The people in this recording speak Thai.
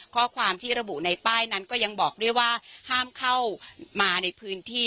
ข้อความที่ระบุในป้ายนั้นก็ยังบอกด้วยว่าห้ามเข้ามาในพื้นที่